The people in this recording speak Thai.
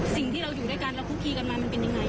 สิ่งที่เราอยู่ด้วยกันเราคุกคีกันมามันเป็นยังไง